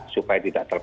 supaya tidak terpengaruh